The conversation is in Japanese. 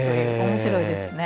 面白いですね。